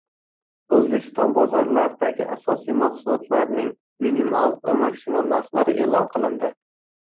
O‘zbekiston bozorlaridagi asosiy mahsulotlarning minimal va maksimal narxlari e’lon qilindi